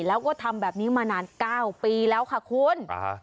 แล้วก็ทำแบบนี้มานาน๙ปีแล้วค่ะคุณ